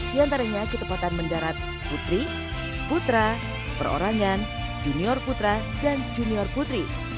di antaranya ketepatan mendarat putri putra perorangan junior putra dan junior putri